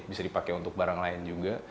bisa dipakai untuk barang lain juga